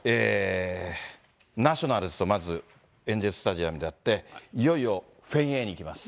ナショナルズとまずエンゼルスタジアムでやって、いよいよフェンウェイに行きます。